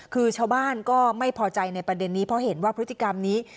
คือชาวบ้านก็ไม่พอใจในประเด็นนี้เพราะเห็นว่าพฤติกรรมนี้